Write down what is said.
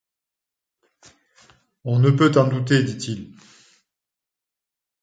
On ne peut en douter, dit-il.